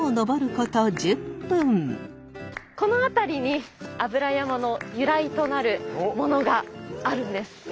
この辺りに油山の由来となるものがあるんです。